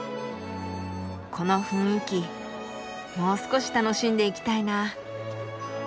この雰囲気もう少し楽しんでいきたいな。